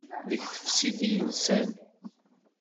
Deg teftist ay nsan.